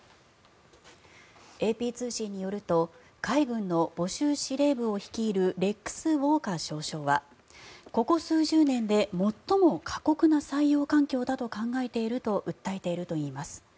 ＡＰ通信によると海軍の募集司令部を率いるレックス・ウォーカー少将はここ数十年で最も過酷な採用環境だと考えていると訴えているといいます。